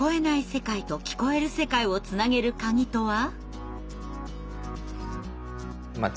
世界と聞こえる世界をつなげるカギとは？